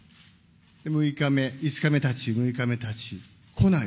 で、６日目、５日たち、６日たち、来ない。